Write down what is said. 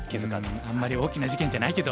あんまり大きな事件じゃないけど。